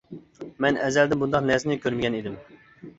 مەن ئەزەلدىن بۇنداق نەرسىنى كۆرمىگەن ئىدىم.